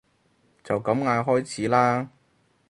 就咁嗌開始啦